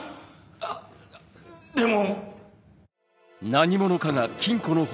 あっでも。